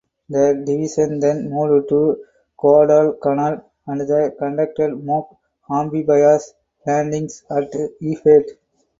The division then moved to Guadalcanal and conducted mock amphibious landings at Efate.